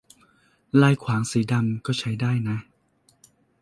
ลายขวางสีดำ ก็ใช้ได้นะ